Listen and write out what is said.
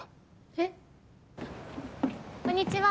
えっ？こんにちは。